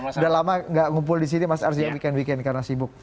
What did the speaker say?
sudah lama tidak mengumpul di sini mas ars karena sibuk